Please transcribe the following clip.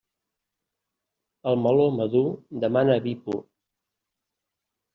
El meló madur demana vi pur.